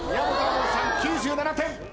門さん９７点。